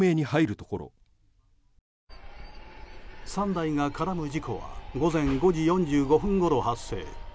３台が絡む事故は午前５時４５分ごろ発生。